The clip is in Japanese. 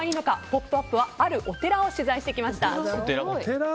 「ポップＵＰ！」はあるお寺を取材してきました。